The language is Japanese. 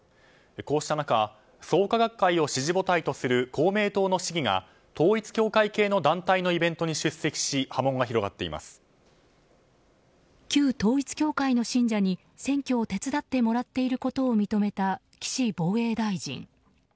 こうした中、創価学会を支持母体とする公明党の市議が統一教会系の団体のイベントに出席し旧統一教会の信者に選挙を手伝ってもらっていることを認めた、岸防衛大臣。